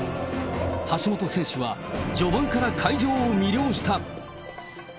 橋本選手は序盤から会場を魅了した。